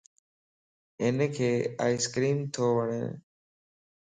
ھينک آئس ڪريم تووڻ